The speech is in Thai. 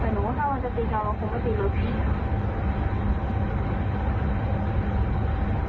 แต่หนูว่าถ้ามันจะตีเจาะเราคงไม่ตีรถที่